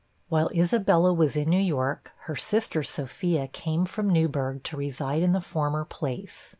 While Isabella was in New York, her sister Sophia came from Newburg to reside in the former place.